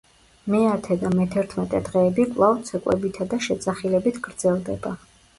მეათე და მეთერთმეტე დღეები კვლავ ცეკვებითა და შეძახილებით გრძელდება.